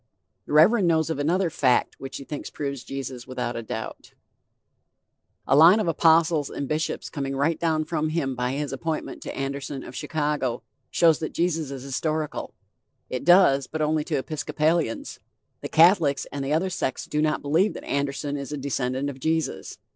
The Reverend knows of another 'fact' which he thinks proves Jesus without a doubt: "A line of apostles and bishops coming right down from him by his appointment to Anderson of Chicago," shows that Jesus is historical. It does, but only to Episcopalians. The Catholics and the other sects do not believe that Anderson is a descendant of Jesus.